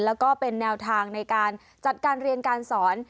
แล้วก็เป็นแนวทางในการจัดการเรียนการสอน